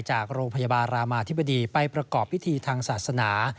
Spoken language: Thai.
จากโรงพยาบาลรามาธิบดีไปประกอบพิธีทางศาสนา